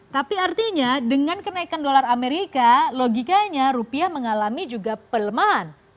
tapi artinya dengan kenaikan dolar amerika logikanya rupiah mengalami juga pelemahan